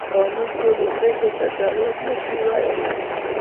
قانون ټولو پیښو ته ځواب نشي ویلی.